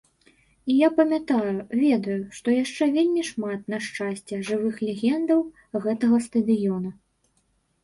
І я памятаю, ведаю, што яшчэ вельмі шмат, на шчасце, жывых легендаў гэтага стадыёна.